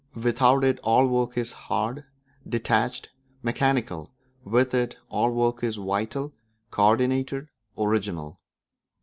Without it all work is hard, detached, mechanical; with it all work is vital, co ordinated, original.